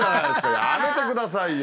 やめてくださいよ。